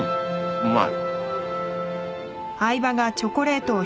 うまい。